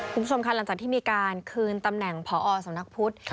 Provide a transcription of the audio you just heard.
คุณผู้ชมค่ะหลังจากที่มีการคืนตำแหน่งพอสำนักพุทธ